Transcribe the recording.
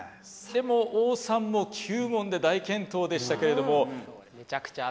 でも王さんも９問で大健闘でしたけれども。